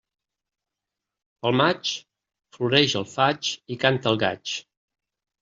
Pel maig, floreix el faig i canta el gaig.